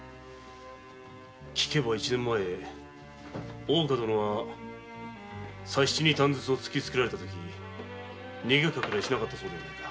聞けば一年前大岡殿は佐七に短筒を突きつけられたとき逃げ隠れしなかったそうではないか。